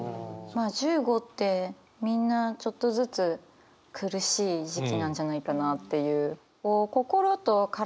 まあ１５ってみんなちょっとずつ苦しい時期なんじゃないかなっていう。